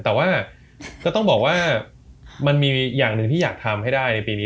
แต่ว่าก็ต้องบอกว่ามันมีอย่างหนึ่งที่อยากทำให้ได้ในปีนี้